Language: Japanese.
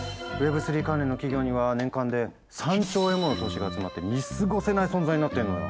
３関連の企業には年間で３兆円もの投資が集まって見過ごせない存在になってんのよ。